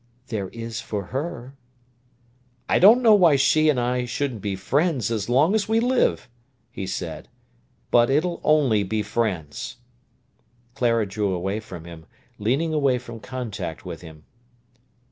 "There is for her." "I don't know why she and I shouldn't be friends as long as we live," he said. "But it'll only be friends." Clara drew away from him, leaning away from contact with him.